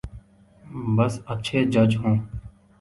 بس اچھے جج ہوں۔